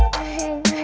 kau mau kemana